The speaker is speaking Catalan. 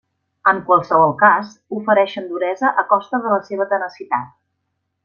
En qualssevol cas, ofereixen duresa a costa de la seva tenacitat.